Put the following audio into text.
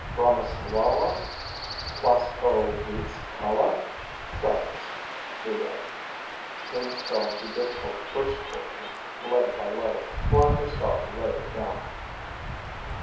"Bronislawa Plaskoweitzkaia Travers," he read; then spelled the difficult first portion, letter by letter, while his daughter wrote it down.